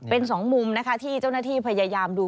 เป็นสองมุมนะคะที่เจ้าหน้าที่พยายามดู